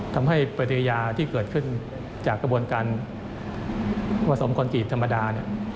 ทำให้ปฏิญาที่เกิดขึ้นจากกระบวนการผสมคนจีบธรรมดาเนี่ย